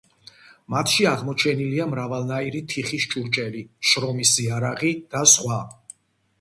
მათში აღმოჩენილია მრავალნაირი თიხის ჭურჭელი, შრომის იარაღი და სხვა.